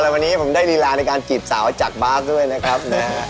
วันนี้ผมได้รีลาในการจีบสาวจากบาสด้วยนะครับ